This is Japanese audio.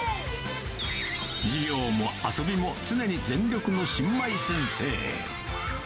授業も遊びも常に全力の新米先生。